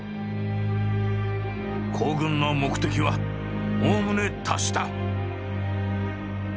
「行軍の目的はおおむね達した」。